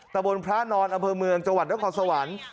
ตะบนพระนอนอำเภอเมืองจวัตรและของสวรรค์